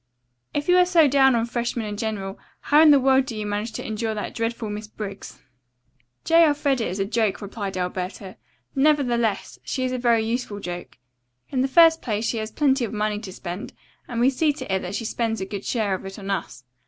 "If you are so down on freshmen in general, how in the world do you manage to endure that dreadful Miss Briggs?" "J. Elfreda is a joke," replied Alberta. "Nevertheless, she is a very useful joke. In the first place, she has plenty of money to spend, and we see to it that she spends a good share of it on us.